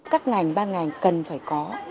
các ngành ban ngành cần phải có